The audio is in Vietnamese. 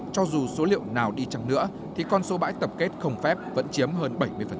cho dù số liệu nào đi chăng nữa thì con số bãi tập kết không phép vẫn chiếm hơn bảy mươi